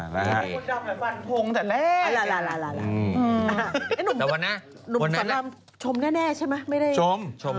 นุ่มฝันร่ำชมแน่ใช่ไหม